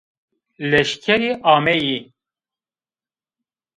Leşkerî ameyî